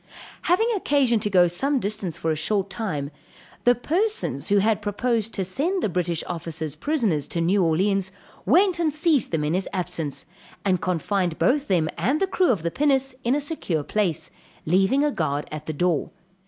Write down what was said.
Having occasion to go to some distance for a short time, the persons who had proposed to send the British officers prisoners to New Orleans, went and seized them in his absence, and confined both them and the crew of the pinnace, in a secure place, leaving a guard at the door.